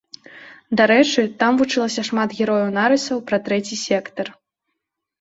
Дарэчы, там вучылася шмат герояў нарысаў пра трэці сектар.